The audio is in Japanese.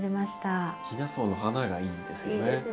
ヒナソウの花がいいんですよね。